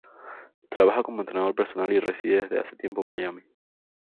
Trabaja como entrenador personal y reside desde hace tiempo en Miami.